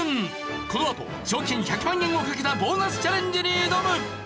このあと賞金１００万円をかけたボーナスチャレンジに挑む！